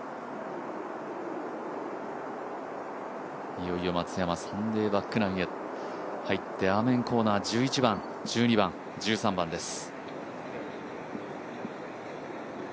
いよいよ松山サンデーバックナインへ入ってアーメンコーナー、１１番、１２番、１３番です。